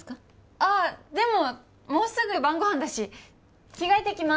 ああでももうすぐ晩ご飯だし着替えてきまー